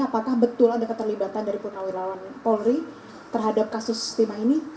apakah betul ada keterlibatan dari purnawirawan polri terhadap kasus timah ini